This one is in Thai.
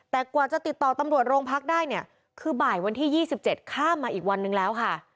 แต่กว่าจะติดต่อตำรวจโรงพักได้เนี่ยคือบ่ายวันที่๒๗ข้ามมาอีกวันนึงแล้วค่ะ